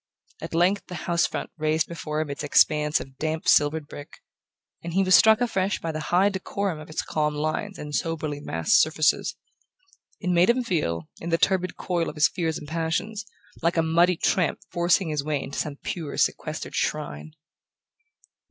At length the house front raised before him its expanse of damp silvered brick, and he was struck afresh by the high decorum of its calm lines and soberly massed surfaces. It made him feel, in the turbid coil of his fears and passions, like a muddy tramp forcing his way into some pure sequestered shrine...